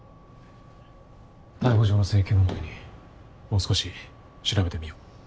逮捕状の請求のときにもう少し調べてみよう。